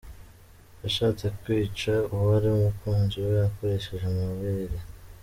Yashatse kwica uwari umukunzi we akoresheje amabere